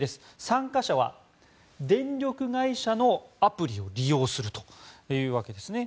参加者は電力会社のアプリを利用するというわけですね。